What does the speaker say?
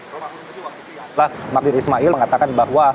romahur muzi wakilnya adalah maklir ismail mengatakan bahwa